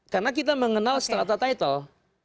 karena kita mengenal strata title